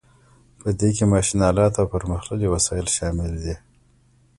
په دې کې ماشین الات او پرمختللي وسایل شامل دي.